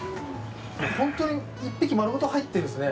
ホントに１匹丸ごと入ってるんですね。